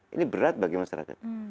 ini berat bagi masyarakat